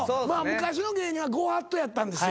昔の芸人はご法度やったんですよ。